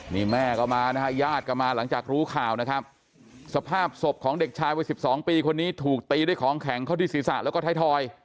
นี่แม่ก็มานะฮะญาติก็มาหลังจากรู้ข่าวนะครับสภาพศพของเด็กชายวัยสิบสองปีคนนี้ถูกตีด้วยของแข็งเข้าที่ศีรษะแล้วก็ไทยทอย